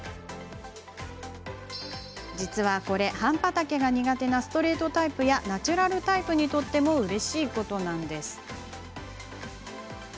実はこれ、半端丈が苦手なストレートタイプやナチュラルタイプにとってもうれしいことなんです。